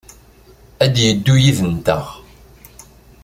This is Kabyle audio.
Ad d-yeddu yid-nteɣ?